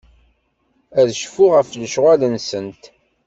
Ad cfuɣ ɣef lecɣal-nsent.